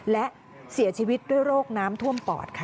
และเสียชีวิตด้วยโรคน้ำท่วมปอดค่ะ